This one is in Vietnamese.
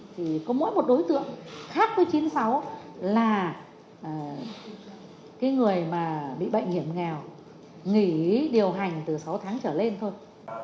thì có mỗi một đối tượng khác với chín mươi sáu là cái người mà bị bệnh hiểm nghèo nghỉ điều hành từ sáu tháng trở lên thôi